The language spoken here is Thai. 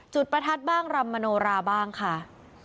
ประทัดบ้างรำมโนราบ้างค่ะ